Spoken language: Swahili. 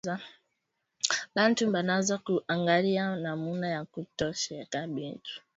Bantu bananza ku angariya namuna ya kuotesha bintu kupitiya mutando